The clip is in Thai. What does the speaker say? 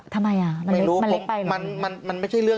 ทำไมมันเล็กไป